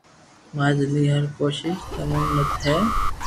ماري زندگي ھر ڪوݾݾ تمو نت ھي